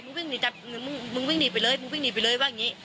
วิ่งหนีจับมึงวิ่งหนีไปเลยมึงวิ่งหนีไปเลยว่าอย่างนี้